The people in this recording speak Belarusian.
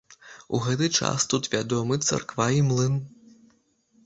У гэты час тут вядомы царква і млын.